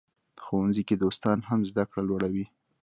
ښوونځي کې دوستان هم زده کړه لوړوي.